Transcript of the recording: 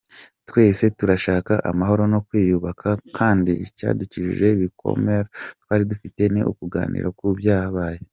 Twese turashaka amahoro no kwiyubaka kandi icyadukijije ibikomere twari dufite ni ukuganira ku byabaye .